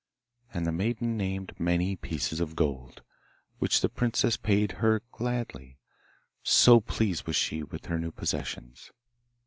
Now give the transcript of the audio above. And the maiden named many pieces of gold, which the princess paid her gladly, so pleased was she with her new possessions.